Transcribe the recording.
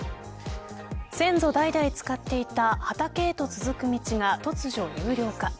先祖代々使っていた畑へと続く道が突如有料化。